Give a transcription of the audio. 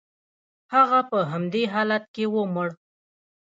هغه په همدې حالت کې ومړ.